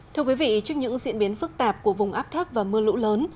thưa quý vị trước những diễn biến phức tạp của vùng áp thấp và mưa lũ lớn